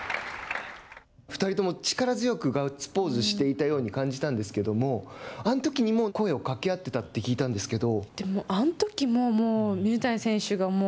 ２人とも力強くガッツポーズしていたように感じたんですけれどもあのときにも声をかけ合ってたと聞いたんですけど。